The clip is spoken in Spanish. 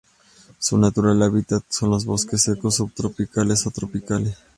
Su natural hábitat son los bosques secos subtropicales o tropicales.